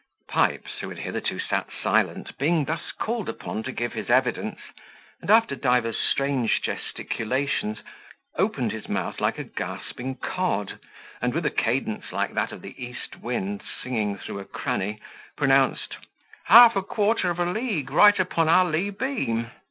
Pipes, who had hitherto sat silent, being thus called upon to give his evidence, after divers strange gesticulations, opened his mouth like a gasping cod, and with a cadence like that of the east wind singing through a cranny, pronounced, "Half a quarter of a league right upon our lee beam."